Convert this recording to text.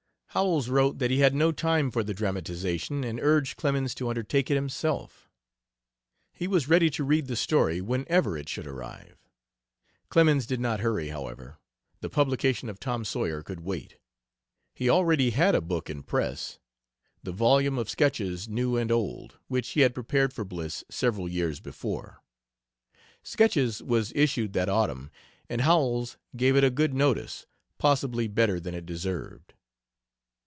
Howells wrote that he had no time for the dramatization and urged Clemens to undertake it himself. He was ready to read the story, whenever it should arrive. Clemens did not hurry, however, The publication of Tom Sawyer could wait. He already had a book in press the volume of Sketches New and Old, which he had prepared for Bliss several years before. Sketches was issued that autumn, and Howells gave it a good notice possibly better than it deserved.